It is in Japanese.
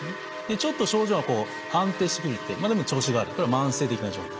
ちょっと症状が安定してくるでも調子が悪いこれは慢性的な状態。